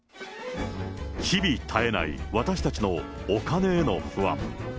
日々絶えない、私たちのお金への不安。